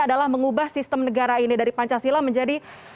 adalah mengubah sistem negara ini dari pancasila menjadi